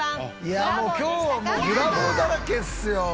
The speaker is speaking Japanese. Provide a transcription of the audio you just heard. いや今日はもうブラボーだらけですよ。